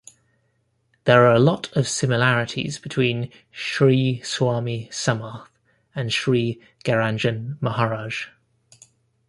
There are lot of similarities between Shree Swami Samarth and Shree Gajanan Maharaj.